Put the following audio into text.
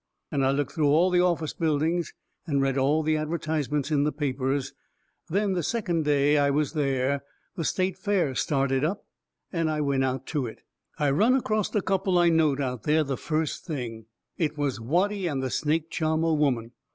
And I looked through all the office buildings and read all the advertisements in the papers. Then the second day I was there the state fair started up and I went out to it. I run acrost a couple I knowed out there the first thing it was Watty and the snake charmer woman.